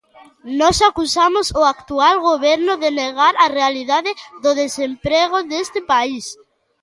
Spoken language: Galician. Nós acusamos o actual Goberno de negar a realidade do desemprego deste país.